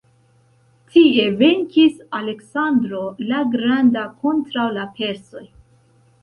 Tie venkis Aleksandro la Granda kontraŭ la persoj.